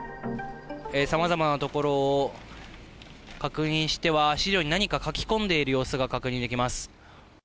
さまざまなところを確認しては、資料に何か書き込んでいる様子が確認できます。